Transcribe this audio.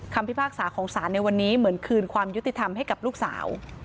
พิพากษาของศาลในวันนี้เหมือนคืนความยุติธรรมให้กับลูกสาว